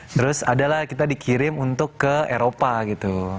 terus adalah kita dikirim untuk ke eropa gitu